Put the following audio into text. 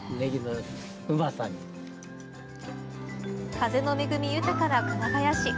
風の恵み豊かな熊谷市。